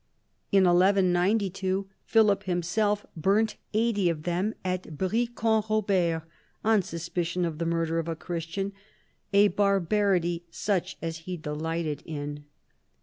In 1192 Philip himself burnt eighty of them at Brie Comte Robert on suspicion of the murder of a Christian, a barbarity such as he delighted in.